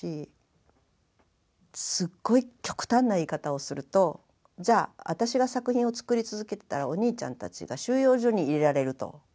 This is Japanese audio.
すっごい極端な言い方をするとじゃあ私が作品を作り続けてたらお兄ちゃんたちが収容所に入れられると。